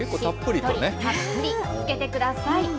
たっぷりつけてください。